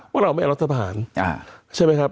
ว่าเราไม่เอารัฐบาหารใช่ไหมครับ